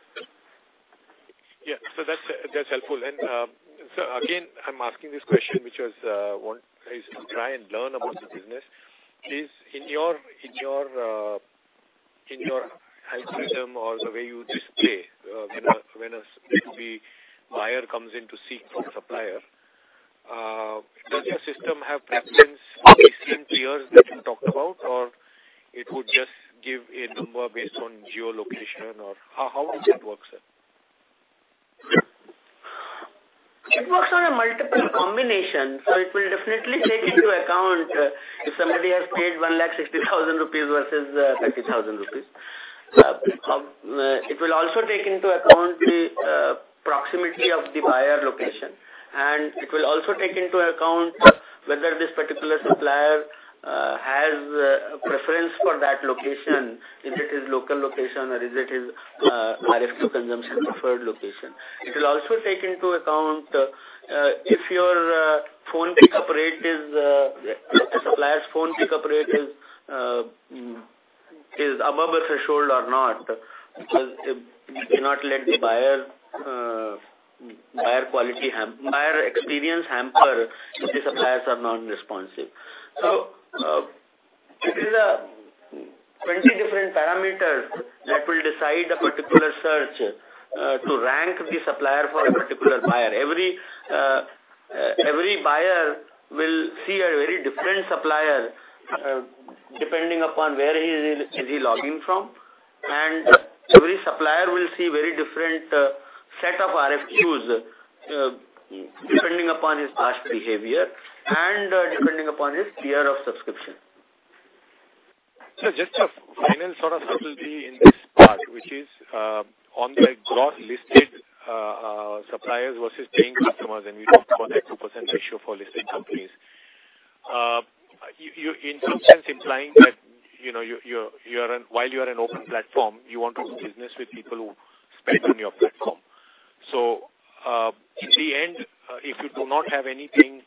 L: Yeah. That's helpful. Sir, again, I'm asking this question, which was to try and learn about the business. In your algorithm or the way you display when a to-be buyer comes in to seek for a supplier, does your system have preference for the same tiers that you talked about, or it would just give a number based on geolocation? How does that work, sir?
A: It works on a multiple combination. It will definitely take into account if somebody has paid 160,000 rupees versus 30,000 rupees. It will also take into account the proximity of the buyer location, and it will also take into account whether this particular supplier has a preference for that location, if it is local location or if it is RFQ consumption preferred location. It will also take into account if supplier's phone pick-up rate is above a threshold or not. Because you cannot let the buyer experience hamper if the suppliers are non-responsive. It is 20 different parameters that will decide a particular search, to rank the supplier for a particular buyer. Every buyer will see a very different supplier, depending upon where is he logging from. Every supplier will see very different set of RFQs, depending upon his past behavior and depending upon his tier of subscription.
L: Sir, just a final sort of clarity in this part, which is on the gross listed suppliers versus paying customers, and you talked about that 2% ratio for listed companies. In some sense implying that while you are an open platform, you want to do business with people who spend on your platform. In the end, if you do not have anything,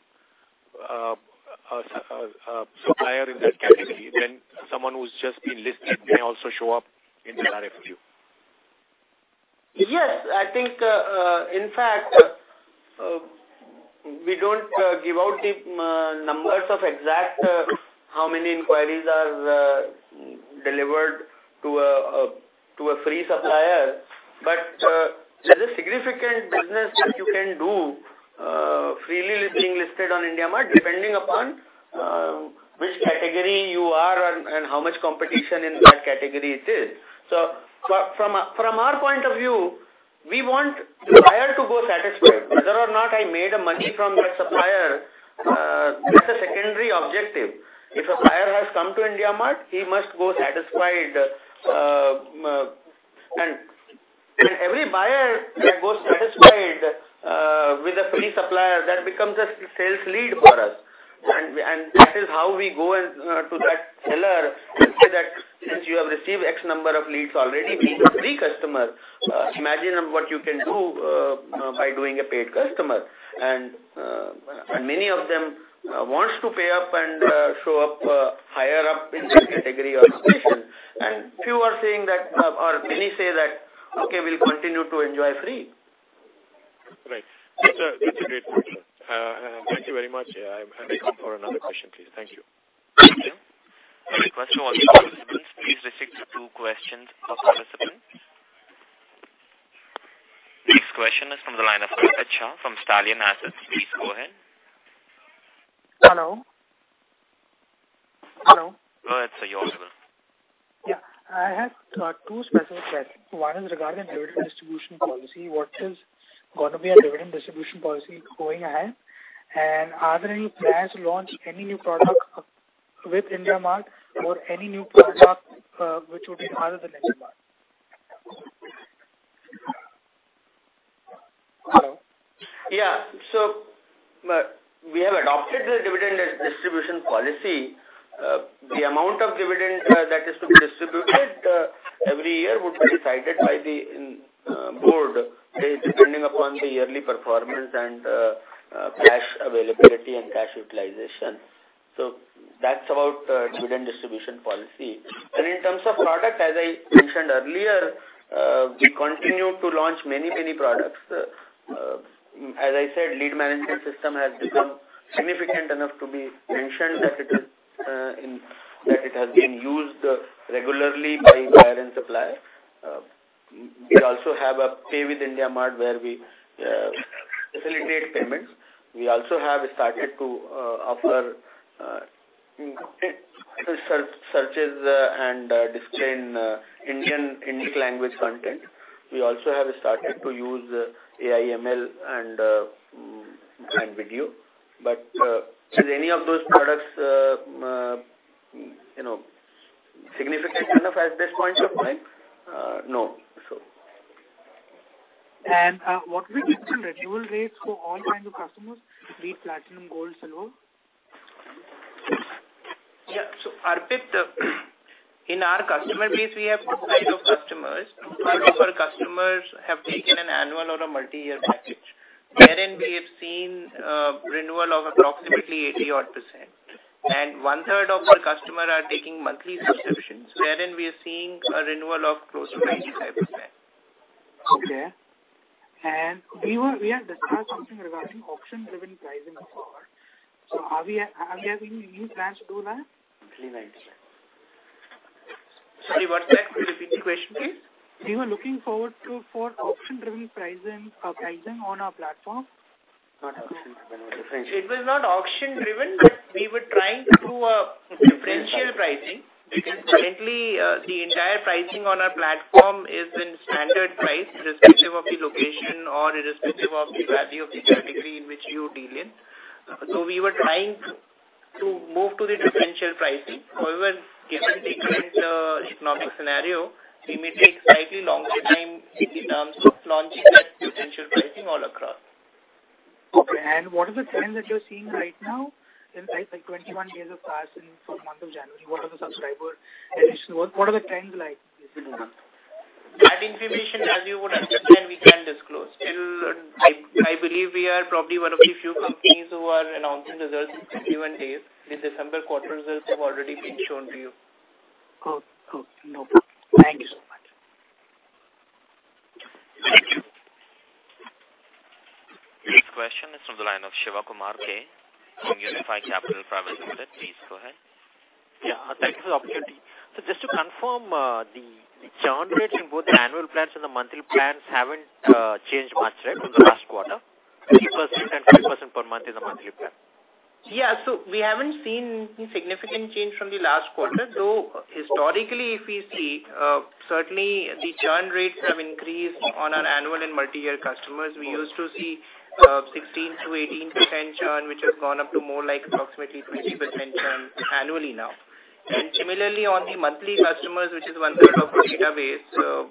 L: supplier in that category, then someone who's just been listed may also show up in the RFQ.
A: Yes. I think, in fact, we don't give out the numbers of exact how many inquiries are delivered to a free supplier. There's a significant business that you can do freely being listed on IndiaMART, depending upon which category you are and how much competition in that category it is. From our point of view, we want the buyer to go satisfied. Whether or not I made money from that supplier, that's a secondary objective. If a buyer has come to IndiaMART, he must go satisfied. Every buyer that goes satisfied with a free supplier, that becomes a sales lead for us. That is how we go to that seller and say that since you have received X number of leads already being a free customer, imagine what you can do by doing a paid customer. Many of them want to pay up and show up higher up in their category or location. Few are saying that, or many say that, Okay, we'll continue to enjoy free.
L: That's a great point. Thank you very much. I'm waiting for another question, please. Thank you.
C: Thank you. Question from participants. Please restrict to two questions per participant. Next question is from the line of Arpit Shah from Stallion Asset. Please go ahead.
M: Hello? Hello?
C: Go ahead, sir. You're audible.
M: Yeah. I have two specific questions. One is regarding dividend distribution policy. What is going to be our dividend distribution policy going ahead? Are there any plans to launch any new product with IndiaMART or any new product which would be other than IndiaMART?
A: Yeah. We have adopted the dividend distribution policy. The amount of dividend that is to be distributed every year would be decided by the board depending upon the yearly performance and cash availability and cash utilization. That's about dividend distribution policy. In terms of product, as I mentioned earlier, we continue to launch many products. As I said, lead management system has become significant enough to be mentioned that it has been used regularly by buyer and supplier. We also have a Pay with IndiaMART where we facilitate payments. We also have started to offer searches and display in Indic language content. We also have started to use AI, ML, and video. Is any of those products significant enough at this point of time? No.
M: What will be the renewal rates for all kinds of customers, be it platinum, gold, silver?
B: Arpit, in our customer base, we have two kinds of customers. First, our customers have taken an annual or a multi-year package, wherein we have seen renewal of approximately 80% odd. 1/3 of our customer are taking monthly subscriptions, wherein we are seeing a renewal of close to 95%.
M: Okay. We had discussed something regarding auction-driven pricing as well. Are we having any plans to do that?
A: Sorry, what's that? Could you repeat the question, please?
M: We were looking forward to for auction-driven pricing on our platform.
L: Not auction-driven, differential.
A: It was not auction-driven, but we were trying to do a differential pricing because currently the entire pricing on our platform is in standard price, irrespective of the location or irrespective of the value of the category in which you deal in. We were trying to move to the differential pricing. However, given the current economic scenario, we may take slightly longer time in terms of launching that differential pricing all across.
M: Okay. What is the trend that you're seeing right now in, like 21 days of passing from the month of January? What are the subscriber addition? What are the trends like this year?
A: That information, as you would understand, we can't disclose. I believe we are probably one of the few companies who are announcing results in 21 days. The December quarter results have already been shown to you.
M: Cool. No problem. Thank you so much.
C: Thank you. Next question is from the line of Shivakumar K from Unifi Capital Private Limited. Please go ahead.
N: Yeah, thank you for the opportunity. Just to confirm, the churn rates in both the annual plans and the monthly plans haven't changed much, right, from the last quarter? 3% and 5% per month is a monthly plan.
B: Yeah. We haven't seen any significant change from the last quarter, though historically, if we see, certainly the churn rates have increased on our annual and multi-year customers. We used to see 16%-18% churn, which has gone up to more like approximately 20% churn annually now. Similarly, on the monthly customers, which is one-third of the database,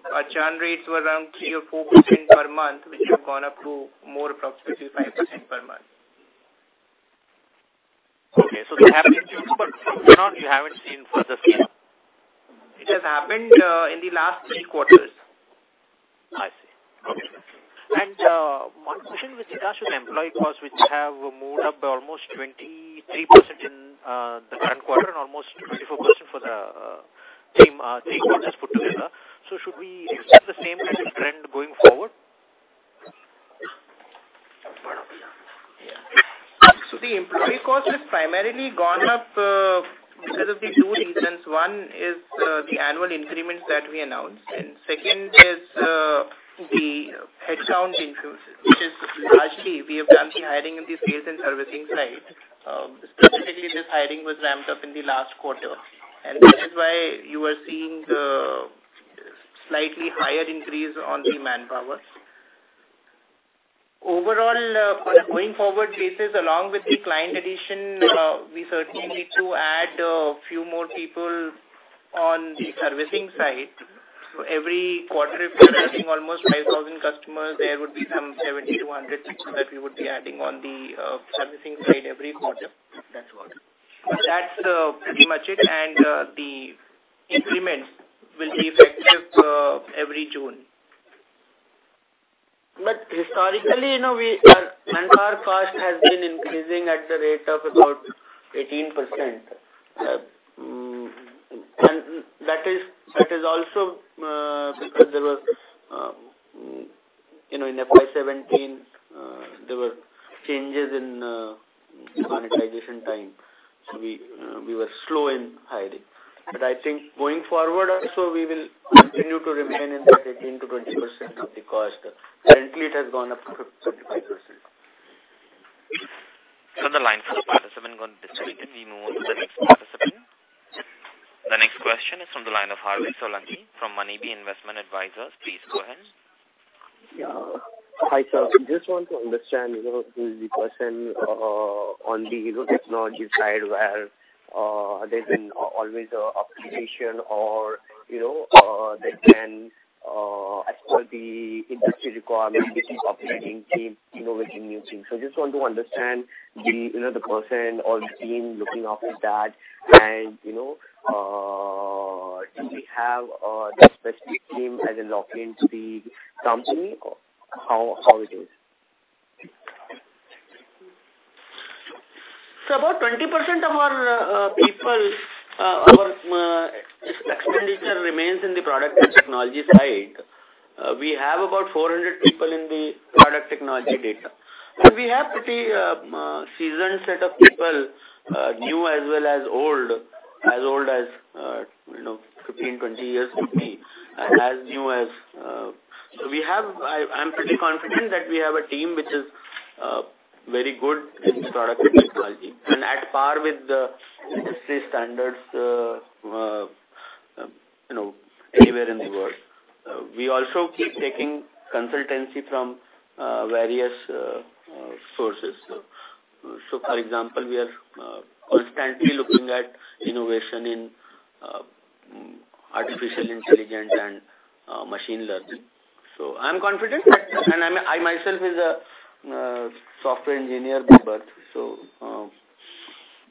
B: our churn rates were around 3% or 4% per month, which have gone up to more approximately 5% per month.
N: Okay. They haven't changed but from here on, you haven't seen further scale.
B: It has happened in the last three quarters.
N: I see. Okay. One question with regards to the employee cost, which have moved up by almost 23% in the current quarter and almost 24% for the three quarters put together. Should we expect the same kind of trend going forward?
B: The employee cost has primarily gone up because of the two reasons. One is the annual increments that we announced, and second is the headcount increase, which is largely we have done the hiring in the sales and servicing side. Specifically, this hiring was ramped up in the last quarter, and that is why you are seeing slightly higher increase on the manpower. Overall, on a going forward basis, along with the client addition, we certainly need to add a few more people on the servicing side. Every quarter, if we're adding almost 5,000 customers, there would be some 70 to 100 people that we would be adding on the servicing side every quarter.
N: That's all.
A: That's pretty much it, the increments will be effective every June. Historically, our cost has been increasing at the rate of about 18%. That is also because in FY 2017, there were changes in monetization time. We were slow in hiring. I think going forward also, we will continue to remain in that 18%-20% of the cost. Currently, it has gone up to 35%.
C: The line for the participant has been closed. We move to the next participant. The next question is from the line of Parth Solanki from Moneybee Investment Advisors. Please go ahead.
O: Yeah. Hi, sir. Just want to understand who is the person on the technology side where there's always an obligation, or they can, as per the industry requirement, they keep upgrading team, innovating new things. Just want to understand the person or the team looking after that, and do we have a specific team as a lock-in to the company, or how it is?
A: About 20% of our people, our expenditure remains in the product and technology side. We have about 400 people in the product technology data. We have a pretty seasoned set of people, new as well as old, as old as 15, 20 years with me. I'm pretty confident that we have a team which is very good in product and technology, and at par with the industry standards anywhere in the world. We also keep taking consultancy from various sources. For example, we are constantly looking at innovation in Artificial Intelligence and Machine Learning. I'm confident, and I myself am a software engineer by birth.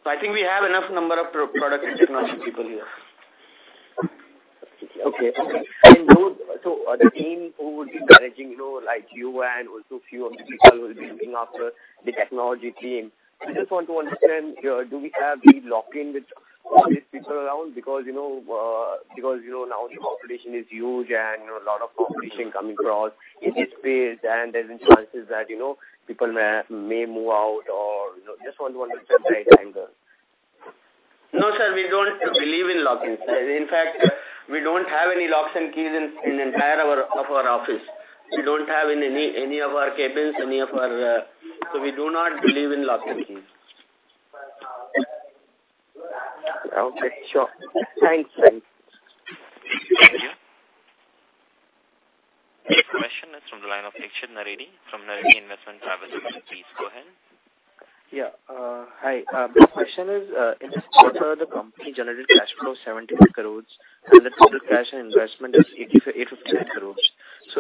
A: I think we have enough number of product and technology people here.
O: Okay. The team who would be managing, like you and also a few of the people who will be looking after the technology team. I just want to understand, do we have the lock-in with all these people around? Now the competition is huge and a lot of competition coming across in this space, and there's instances that people may move out. I just want to understand that angle.
A: No, sir, we don't believe in lock-ins. In fact, we don't have any locks and keys in the entire of our office. We don't have in any of our cabins. We do not believe in lock and keys.
O: Okay, sure. Thanks.
C: Thank you. The next question is from the line of. Please go ahead.
P: Yeah. Hi. My question is, in this quarter, the company generated cash flow of 71 crores, and the total cash and investment is 858 crores.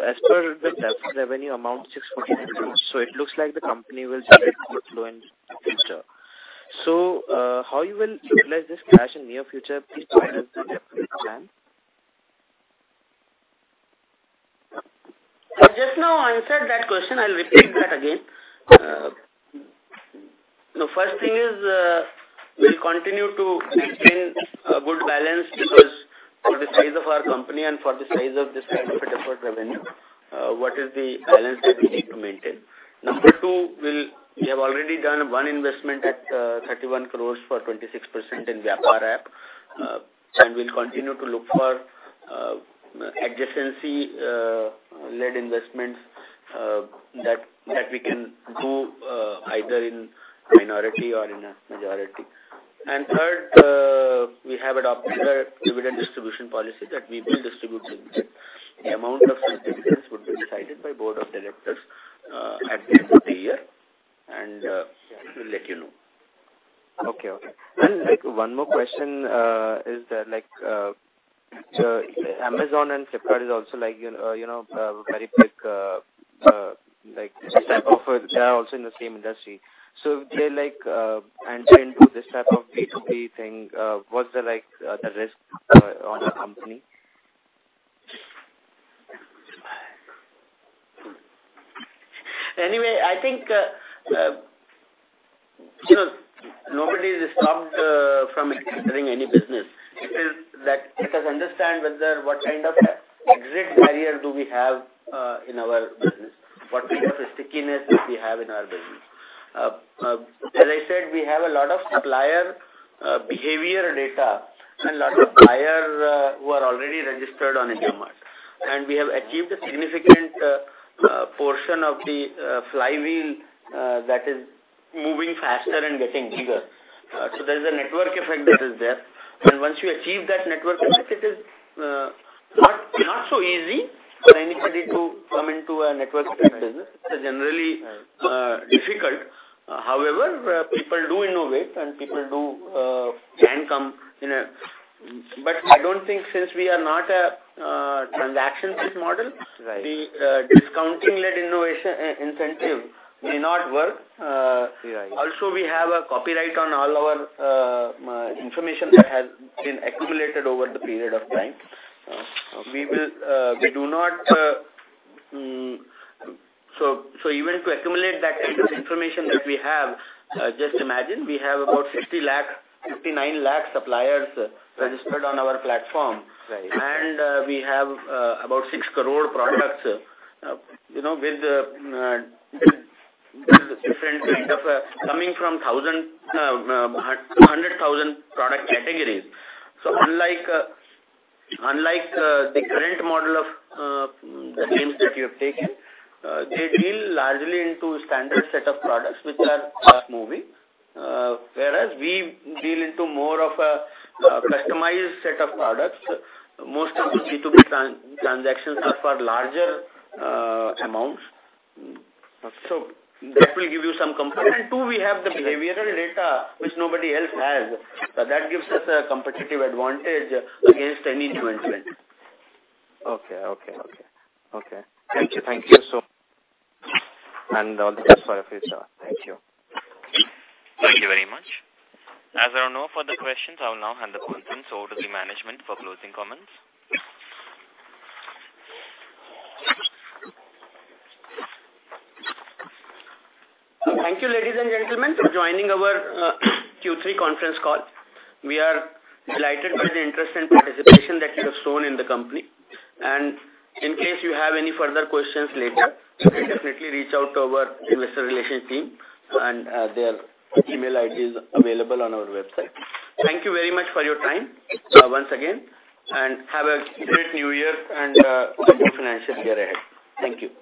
P: As per the revenue amount, 614 crores. It looks like the company will generate outflow in the future. How you will utilize this cash in near future? Please guide us in that regard.
A: I just now answered that question. I'll repeat that again. The first thing is, we'll continue to maintain a good balance because for the size of our company and for the size of this kind of effort revenue, what is the balance that we need to maintain? Number two, we have already done one investment at 31 crores for 26% in Vyapar app. We'll continue to look for adjacency-led investments that we can do either in minority or in a majority. Third, we have adopted a dividend distribution policy that we will distribute dividends. The amount of such dividends would be decided by board of directors at the end of the year, and we will let you know.
P: Okay. One more question is that Amazon and Flipkart are also very big, they are also in the same industry. If they enter into this type of B2B thing, what's the risk on the company?
A: Anyway, I think nobody is stopped from entering any business. It is that let us understand what kind of exit barrier do we have in our business, what kind of a stickiness do we have in our business. As I said, we have a lot of supplier behavior data and a lot of buyers who are already registered on IndiaMART, and we have achieved a significant portion of the flywheel that is moving faster and getting bigger. There's a network effect that is there. Once you achieve that network effect, it is not so easy for anybody to come into a network effect business. It's generally difficult. However, people do innovate, and people can come. I don't think since we are not a transaction-based model.
P: Right
A: the discounting-led incentive may not work.
P: Yeah.
A: We have a copyright on all our information that has been accumulated over the period of time. Even to accumulate that kind of information that we have, just imagine, we have about 69 lakh suppliers registered on our platform.
P: Right.
A: We have about 6 crore products with different coming from 100,000 product categories. Unlike the current model of names that you have taken, they deal largely into standard set of products which are fast-moving. Whereas we deal into more of a customized set of products. Most of the B2B transactions are for larger amounts. That will give you some comfort. Two, we have the behavioral data which nobody else has. That gives us a competitive advantage against any new entrant.
P: Okay. Thank you. Thank you so much. All the best for your future. Thank you.
C: Thank you very much. As there are no further questions, I will now hand the conference over to the management for closing comments.
A: Thank you, ladies and gentlemen, for joining our Q3 conference call. We are delighted by the interest and participation that you have shown in the company. In case you have any further questions later, you can definitely reach out to our investor relation team. Their email ID is available on our website. Thank you very much for your time once again. Have a great new year and a good financial year ahead. Thank you.